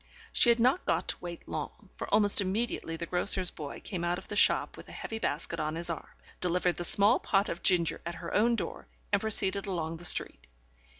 ... She had not got to wait long, for almost immediately the grocer's boy came out of the shop with a heavy basket on his arm, delivered the small pot of ginger at her own door, and proceeded along the street.